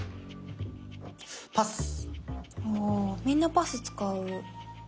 おみんなパス使う。